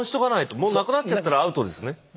もうなくなっちゃったらアウトですよね。